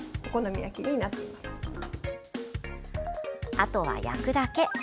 あとは焼くだけ。